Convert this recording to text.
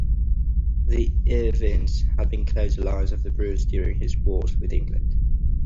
The Irvines had been close allies of the Bruce during his wars with England.